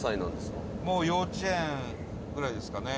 伊達：もう幼稚園ぐらいですかね。